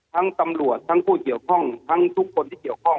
ตำรวจทั้งผู้เกี่ยวข้องทั้งทุกคนที่เกี่ยวข้อง